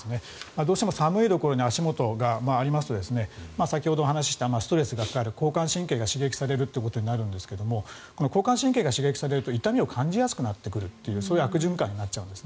どうしても寒いところに足元がありますと先ほどお話したストレスがかかる交感神経が刺激されるということになるんですが交感神経が刺激されると痛みを感じやすくなってくる悪循環になっちゃうんです。